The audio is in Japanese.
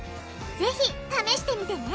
ぜひ試してみてね！